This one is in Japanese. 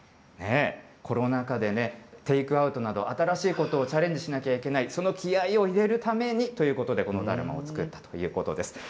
コロナ禍でね、テイクアウトなど、新しいことをチャレンジしなきゃいけない、その気合いを入れるためにということで、このだるまを作ったということです。